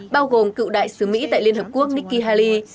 bao gồm cựu đại sứ mỹ tại liên hợp quốc nikki haley